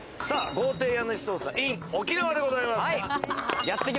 豪邸家主捜査ＩＮ沖縄でございます。